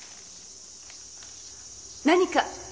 何か？